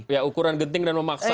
ya ukuran genting dan memaksa